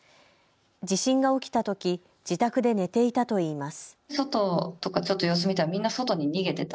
地震が起きたとき自宅で寝ていたといいます。